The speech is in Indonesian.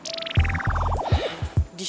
dih lo kali masuk ke masak jiwa